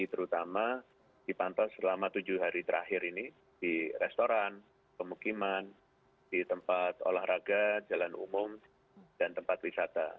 terutama dipantau selama tujuh hari terakhir ini di restoran pemukiman di tempat olahraga jalan umum dan tempat wisata